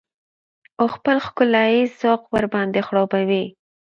او خپل ښکلاييز ذوق ورباندې خړوبه وي.